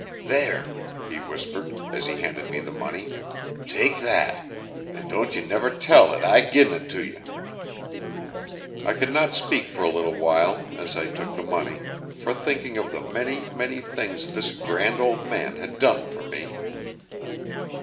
There,' he whispered, as he handed me the money, 'take thet! An' don't ye never tell 'at I g'in it t' ye.' I could not speak for a little while, as I took the money, for thinking of the many, many things this grand old man had done for me.